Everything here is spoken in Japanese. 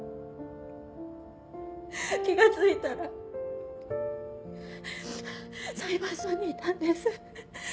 気がついたら裁判所にいたんです。